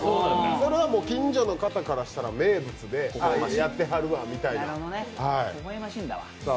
それはもう近所の方からしたら名物で、ああ、やってはるわ、みたいな。